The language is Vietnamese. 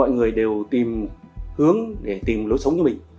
thì đều tìm hướng để tìm lối sống cho mình